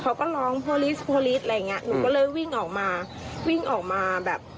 เขาก็ร้องโพลิสโพลิสอะไรอย่างเงี้ยหนูก็เลยวิ่งออกมาวิ่งออกมาแบบ